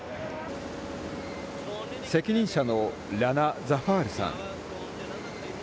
責任者のラナ・ザファールさん。